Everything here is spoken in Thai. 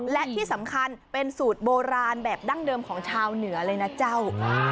และที่สำคัญเป็นสูตรโบราณแบบดั้งเดิมของชาวเหนือเลยนะเจ้า